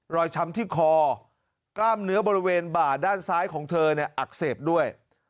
ช้ำที่คอกล้ามเนื้อบริเวณบ่าด้านซ้ายของเธอเนี่ยอักเสบด้วย